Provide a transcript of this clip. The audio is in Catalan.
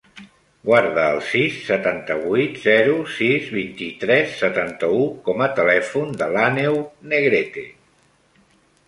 Guarda el sis, setanta-vuit, zero, sis, vint-i-tres, setanta-u com a telèfon de l'Àneu Negrete.